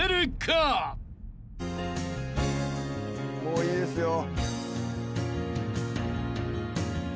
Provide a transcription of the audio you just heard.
もういいですよ。